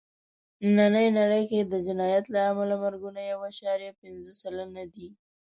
نننۍ نړۍ کې د جنایت له امله مرګونه یو عشاریه پینځه سلنه دي.